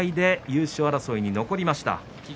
優勝争いに残りました。